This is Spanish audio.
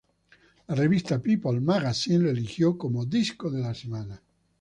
La revista "People Magazine" lo eligió como "Disco de la semana".